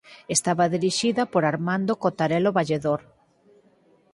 Estaba dirixida por Armando Cotarelo Valledor.